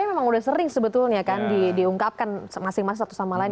ini memang sudah sering sebetulnya kan diungkapkan masing masing satu sama lain